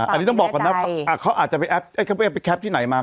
อันนี้ต้องบอกก่อนนะอ่ะเขาอาจจะไปแอปเอ้ยเขาไปแอปที่ไหนมา